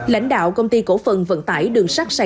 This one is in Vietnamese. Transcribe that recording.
lãnh đạo công ty cổ phần vận tải đường sắt sài gòn